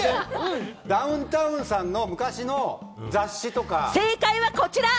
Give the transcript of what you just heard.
ダウンタウンさんの昔の雑誌正解は、こちら！